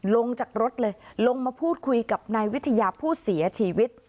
ลงจากรถเลยลงมาพูดคุยกับนายวิทยาผู้เสียชีวิต